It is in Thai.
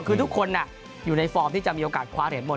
คือทุกคนอยู่ในฟอร์มที่จะมีโอกาสคว้าเหรียญหมด